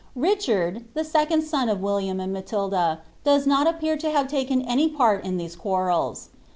Eicharil, the second son of William and Matilda, dofs not sppcar to hare taken any part in tliese quarrels.